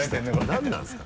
なんなんですか？